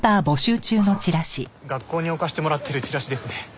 ああ学校に置かせてもらってるチラシですね。